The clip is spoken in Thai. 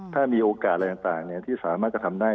ถ้ามีโอกาสอะไรต่างที่สามารถจะทำได้